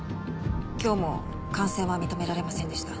今日も感染は認められませんでした